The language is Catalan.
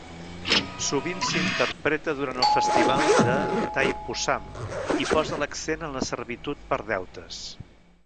Sovint s'interpreta durant el festival de Thaipusam i posa l'accent en la servitud per deutes.